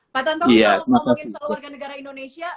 pak tanto kalau ngomongin soal warga negara indonesia